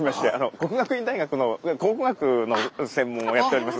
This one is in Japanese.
國學院大學の考古学の専門をやっております